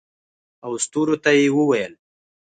او ستورو ته یې وویل